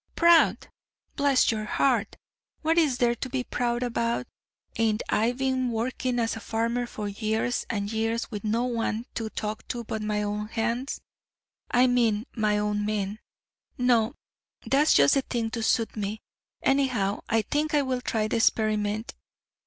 "Proud! Bless your heart, what is there to be proud about; ain't I been working as a farmer for years and years with no one to talk to but my own hands? I mean my own men. No, that's just the thing to suit me; anyhow, I think I will try the experiment.